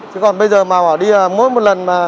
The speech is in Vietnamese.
chứ còn bây giờ mà đi mỗi một lần